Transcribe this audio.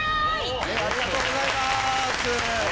ありがとうございます。